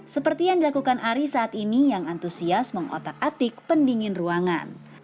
seperti yang dilakukan ari saat ini yang antusias mengotak atik pendingin ruangan